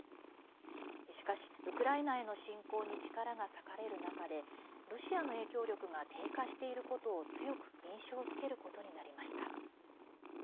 しかし、ウクライナへの侵攻に力が割かれる中でロシアの影響力が低下していることを強く印象づけることになりました。